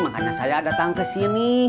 makanya saya datang ke sini